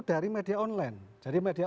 dari media online jadi media